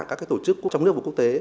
các tổ chức trong nước và quốc tế